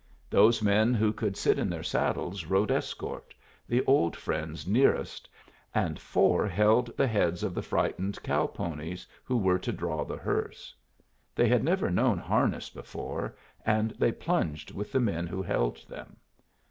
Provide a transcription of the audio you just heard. Those men who could sit in their saddles rode escort, the old friends nearest, and four held the heads of the frightened cow ponies who were to draw the hearse. They had never known harness before, and they plunged with the men who held them.